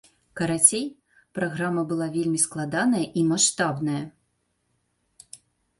Карацей, праграма была вельмі складаная і маштабная.